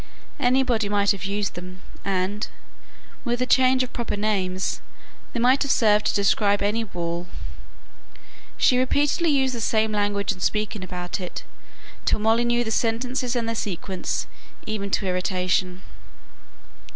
Anybody might have used them, and, with a change of proper names, they might have served to describe any ball. She repeatedly used the same language in speaking about it, till Molly knew the sentences and their sequence even to irritation.